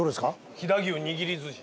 飛騨牛握り寿司。